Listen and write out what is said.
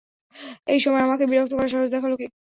এই সময়ে আমাকে বিরক্ত করার সাহস দেখালো কে?